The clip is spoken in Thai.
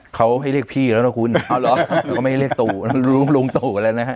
เขาให้เรียกพี่ล่ะลูงตู่